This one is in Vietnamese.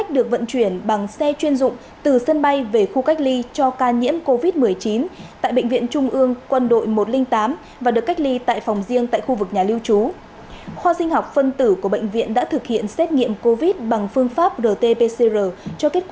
các bạn hãy đăng ký kênh để ủng hộ kênh của chúng mình nhé